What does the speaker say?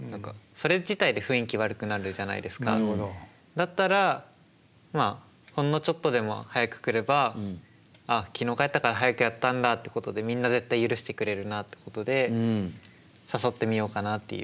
だったらまあほんのちょっとでも早く来れば「あ昨日帰ったから早くやったんだ」ってことでみんな絶対許してくれるなってことで誘ってみようかなっていう。